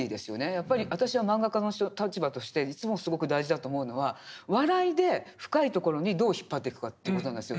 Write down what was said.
やっぱり私は漫画家の立場としていつもすごく大事だと思うのは笑いで深いところにどう引っ張っていくかという事なんですよ。